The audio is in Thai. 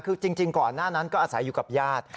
คือจริงก่อนหน้านั้นก็อาศัยอยู่กับญาติ